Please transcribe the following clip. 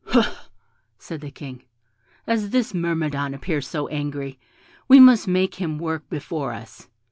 "Ho, ho!" said the King, "as this myrmidon appears so angry, we must make him work before us.